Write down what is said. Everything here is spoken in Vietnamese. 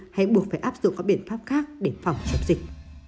hay buộc phải áp dụng các biện pháp khác để phòng chống dịch